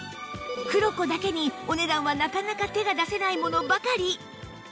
クロコだけにお値段はなかなか手が出せないものばかり